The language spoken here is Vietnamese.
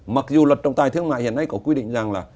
mặc dù luật trọng tài thương mại hiện nay có quy định rằng là